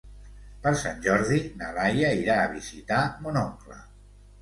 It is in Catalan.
Per Sant Jordi na Laia irà a visitar mon oncle.